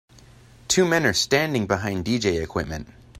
Two men are standing behind dj equipment.